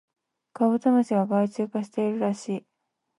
カブトムシが害虫化しているらしい